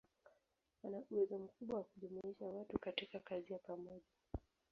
Ana uwezo mkubwa wa kujumuisha watu katika kazi ya pamoja.